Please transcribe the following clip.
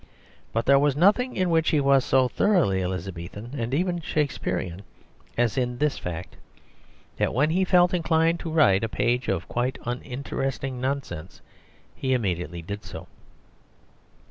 But there was nothing in which he was so thoroughly Elizabethan, and even Shakespearian, as in this fact, that when he felt inclined to write a page of quite uninteresting nonsense, he immediately did so.